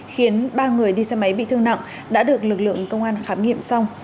khiến ba người đi xe máy bị thương nặng đã được lực lượng công an khám nghiệm xong